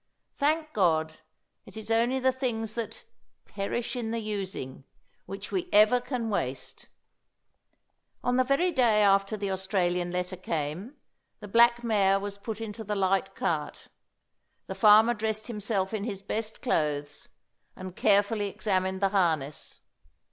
Thank God, it is only the things that "perish in the using" which we ever can waste! On the very day after the Australian letter came, the black mare was put into the light cart. The farmer dressed himself in his best clothes, and carefully examined the harness.